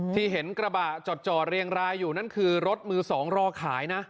ที่เห็นกระบะจอดเรียงรายอยู่นั่นคือรถมือสองรอขายนะ